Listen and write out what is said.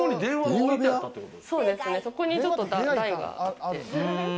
そこにちょっと台があって。